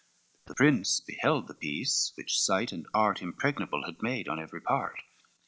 The prince beheld the piece, which site and art Impregnable had made on every part.